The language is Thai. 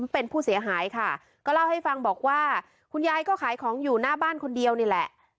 เป็นผู้เสียหายค่ะก็เล่าให้ฟังบอกว่าคุณยายก็ขายของอยู่หน้าบ้านคนเดียวนี่แหละ